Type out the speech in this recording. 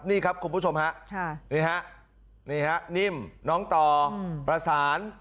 นี่ครับคุณผู้ชมฮะนี่ฮะนิ่มน้องต่อประสาน